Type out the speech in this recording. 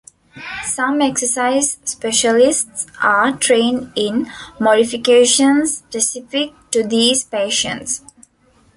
Some exercise specialists are trained in modifications specific to these patients.